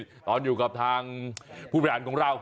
ตอนอยู่กับทางผู้บริหารของเรา